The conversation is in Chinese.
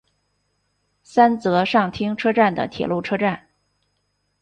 三泽上町车站的铁路车站。